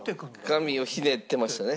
紙をひねってましたね。